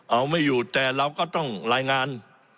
เอาไม่อยู่แต่เราก็ต้องรายงาน